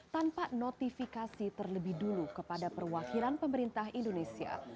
tanpa notifikasi terlebih dulu kepada perwakilan pemerintah indonesia